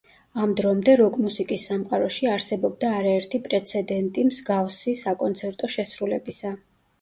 ამ დრომდე როკ მუსიკის სამყაროში არსებობდა არაერთი პრეცედენტი მსგავსი საკონცერტო შესრულებისა.